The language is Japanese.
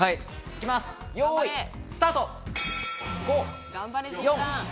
よい、スタート！